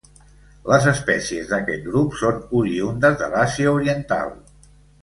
Les espècies d'aquest grup són oriündes de l'Àsia Oriental.